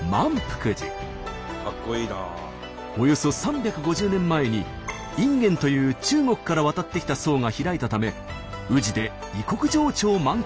およそ３５０年前に隠元という中国から渡ってきた僧が開いたため宇治で異国情緒を満喫することができます。